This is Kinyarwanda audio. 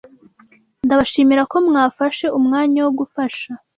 Ndabashimira ko mwafashe umwanya wo gufasha.